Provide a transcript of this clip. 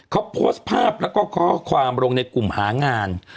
เขาโพสต์ภาพแล้วก็ข้อความลงในกลุ่มหางาน